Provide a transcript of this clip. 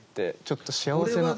ちょっと幸せな。